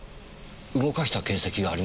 動かした形跡がありますね。